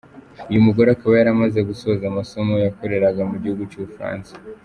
Uyu mugore akaba yaramaze gusoza amasomo yakoreraga mu gihugu cy’u Bufaransa.